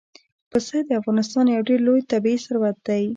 پسه د افغانستان یو ډېر لوی طبعي ثروت دی.